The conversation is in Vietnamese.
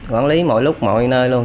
quản lý mọi lúc mọi nơi luôn